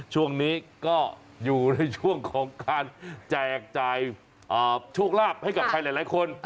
ช่วงนี้ก็อยู่ในช่วงของการแจกจ่ายโชคลาภให้กับใครหลายคน